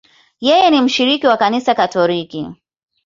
Yeye ni mshiriki wa Kanisa Katoliki.